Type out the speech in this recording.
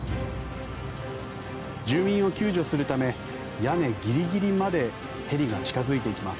住民を救助するため屋根ギリギリまでヘリが近付いていきます。